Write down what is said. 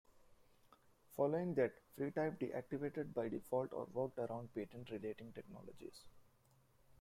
Following that, Freetype deactivated by default or worked around patent relating technologies.